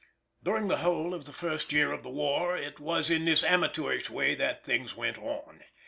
During the whole of the first year of the war it was in this amateurish way that things went on.